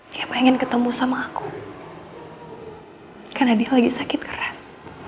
dia pengen ketemu sama aku karena dia lagi sakit keras